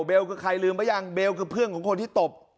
คือใครลืมหรือยังเบลคือเพื่อนของคนที่ตบ